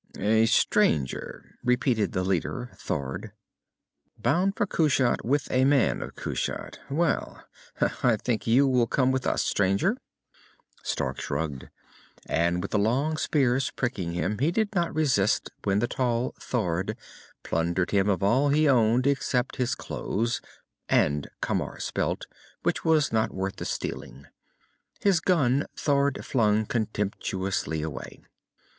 "A stranger," repeated the leader, Thord. "Bound for Kushat, with a man of Kushat. Well. I think you will come with us, stranger." Stark shrugged. And with the long spears pricking him, he did not resist when the tall Thord plundered him of all he owned except his clothes and Camar's belt, which was not worth the stealing. His gun Thord flung contemptuously away.